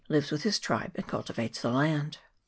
267 lives with his tribe, and cultivates the land.